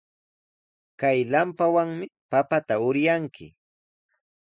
Kay lampawanmi papata uryanki.